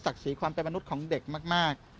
สีความเป็นมนุษย์ของเด็กมาก